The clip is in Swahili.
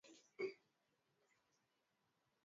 Ni maeneo yaliyokuwa wakiishi viongozi waliopita